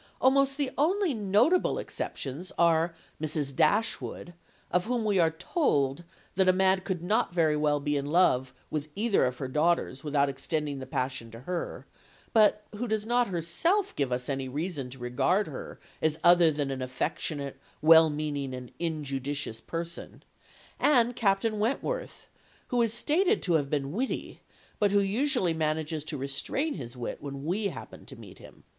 Almost the only notable exceptions are Mrs. Dashwood, of whom we are told that "a man could not very well be in love with either of her daughters, without extending the passion to her," but who does not herself give us any reason to regard her as other than an affectionate, well meaning, and injudicious person, and Captain Wentworth, who is stated to have been witty, but who usually manages to restrain his wit when we happen to meet him.